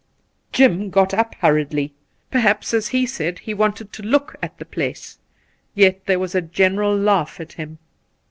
Jim got up hurriedly; perhaps, as he said, he wanted to look at the place. Yet there was a general laugh at him.